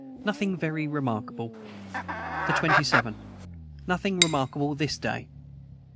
Nothing very remarkable. the 27. Nothing remarkable this day.